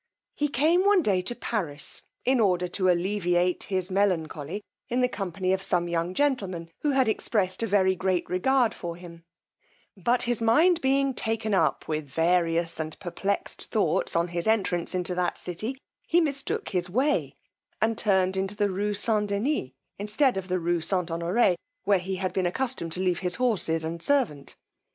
He came one day to Paris, in order to alleviate his melancholy, in the company of some young gentlemen, who had expressed a very great regard for him; but his mind being taken up with various and perplexed thoughts on his entrance into that city, he mistook his way, and turned into the rue St. Dennis instead of the rue St. Honore, where he had been accustomed to leave his horses and servant.